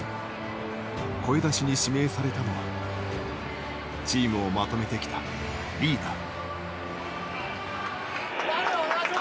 声出しに指名されたのはチームをまとめてきたリーダー。